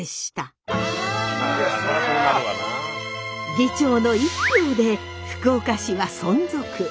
議長の１票で福岡市は存続。